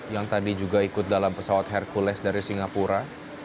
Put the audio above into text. yang tadi juga ikut dalam pesawat hercules dari singapura